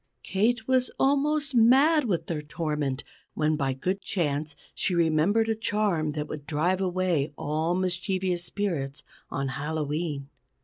Kate was almost mad with their torment, when by good chance she remembered a charm that would drive away all mischievous spirits, on Hallowe'en.